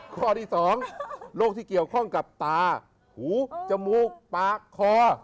ข้อที่๒โรคที่เกี่ยวข้องกับตาหูจมูกปากคอ